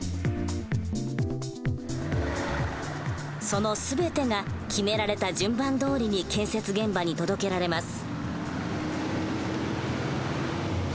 その全てが決められた順番どおりに建設現場に届けられます。